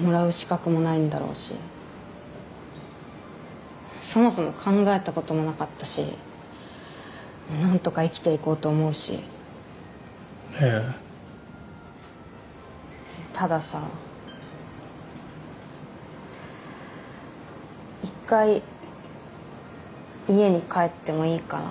もらう資格もないんだろうしそもそも考えたこともなかったしなんとか生きていこうと思うしへえーたださ一回家に帰ってもいいかな？